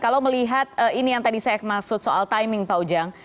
kalau melihat ini yang tadi saya maksud soal timing pak ujang